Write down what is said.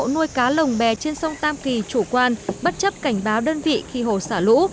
nuôi cá lồng bè trên sông tam kỳ chủ quan bất chấp cảnh báo đơn vị khi hồ xả lũ